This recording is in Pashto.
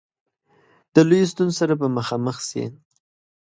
د لویو ستونزو سره به مخامخ سي.